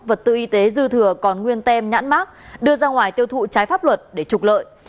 vật tư y tế dư thừa còn nguyên tem nhãn mát đưa ra ngoài tiêu thụ trái pháp luật để trục lợi